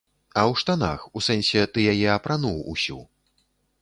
А ў штанах, у сэнсе, ты яе апрануў ўсю.